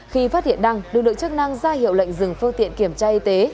khi phát hiện đăng lực lượng chức năng ra hiệu lệnh dừng phương tiện kiểm tra y tế